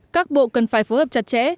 các bộ cần phải phối hợp chặt chẽ